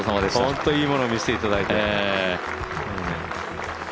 本当いいものを見せていただいて。